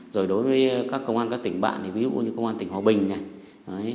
rồi đối với các công an các tỉnh bạn thì ví dụ như công an tỉnh hòa bình này